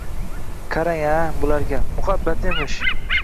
qarang-a, bularga! Muhabbat emish!